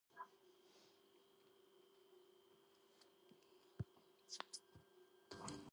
სიმღერამ დიდი წარმატება მიაღწია ჰიტ-აღლუმებში.